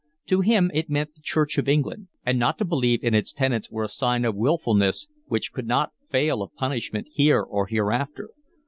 To him it meant the Church of England, and not to believe in its tenets was a sign of wilfulness which could not fail of punishment here or hereafter.